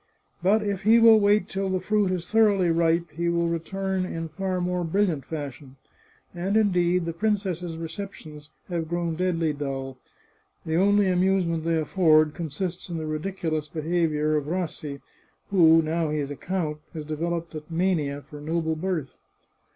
But if he will wait till the fruit is thoroughly ripe he will return in far more brilliant fashion. And indeed, the princess's receptions have grown deadly dull ; the only amusement they afford consists in the ridiculous behaviour of Rassi, who, now he is a count, has developed a mania for noble birth.